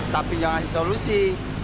tapi jangan ada solusi